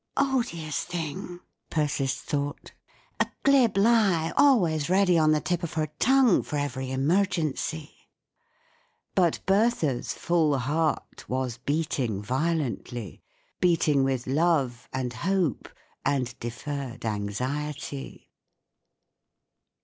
" Odious thing !" Persis thought. " A glib lie always ready on the tip of her tongue for every emergency." But Bertha's full heart was beating violently. Beating with love and hope and deferred anxiety.